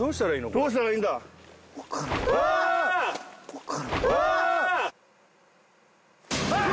どうしたらいいんだ？わ！わ！あっ！